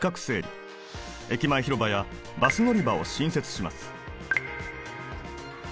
駅前広場やバス乗り場を新設します